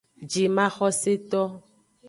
Jimaxoseto.